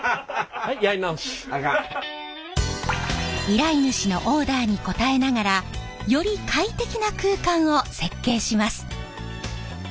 依頼主のオーダーに応えながらより快適な空間を設計します。